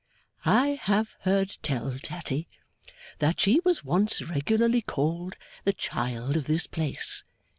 'I have heard tell, Tatty, that she was once regularly called the child of this place.